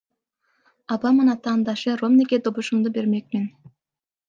Обаманын атаандашы — Ромниге добушумду бермекмин.